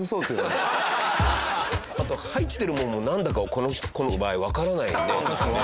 あと入ってるものもなんだかこの子の場合わからないよね。